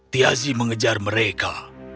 tiazi mengejar mereka